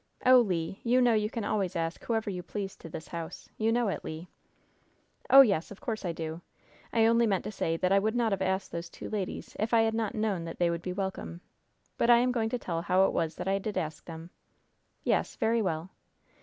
"Oh, Le, you know you can always ask whoever you please to this house. You know it, Le!" "Oh, yes, of course I do. I only meant to say that I would not have asked those two ladies if I had not known that they would be welcome. But I am going to tell how it was that I did ask them." "Yes! Very well."